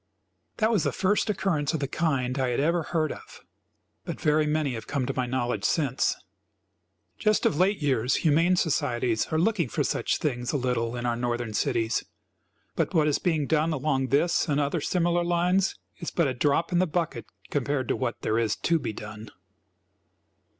That was the first occurrence of the kind I had ever heard of, but very many have come to my knowledge since. Just of late years humane societies are looking for such things a little in our Northern cities, but what is being done along this and other similar lines is but a drop in the bucket, compared to what there is to be done.